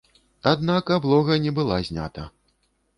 Аднак аблога не была знята.